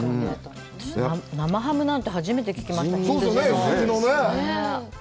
生ハムなんて初めて聞きました、羊の。